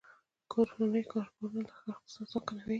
کورني کاروبارونه د ښار اقتصاد ځواکمنوي.